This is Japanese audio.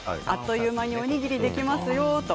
あっという間におにぎりができますよ。